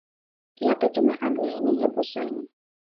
Տիրապետում է անգլերենին և ռուսերենին։